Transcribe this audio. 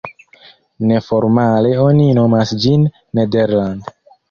Neformale oni nomas ĝin "Nederland.